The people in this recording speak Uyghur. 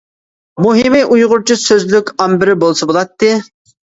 مۇھىمى ئۇيغۇرچە سۆزلۈك ئامبىرى بولسا بولاتتى.